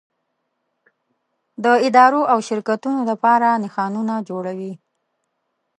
د ادارو او شرکتونو لپاره نښانونه جوړوي.